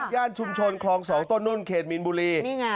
ย่านชุมชนคลองสองต้นนุ่นเขตมิลบุรีนี่ไง